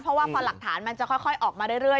เพราะว่าพอหลักฐานมันจะค่อยออกมาเรื่อย